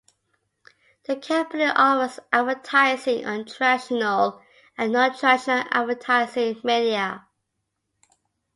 The company offers advertising on traditional and nontraditional advertising media.